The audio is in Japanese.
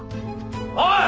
おい！